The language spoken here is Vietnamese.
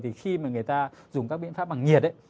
thì khi mà người ta dùng các biện pháp bằng nhiệt ấy